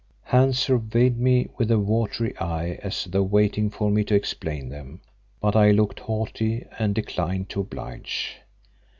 Hans surveyed me with a watery eye as though waiting for me to explain them, but I looked haughty and declined to oblige.